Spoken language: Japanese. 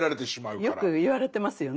よく言われてますよね